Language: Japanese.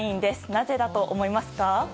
なぜだと思いますか？